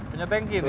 punya tank ini ya